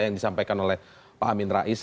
yang disampaikan oleh pak amin rais